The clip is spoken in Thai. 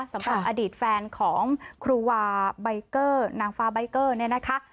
สำหรับอดีตแฟนของครูวาใบเกอร์นางฟ้าใบเกอร์เนี่ยนะคะ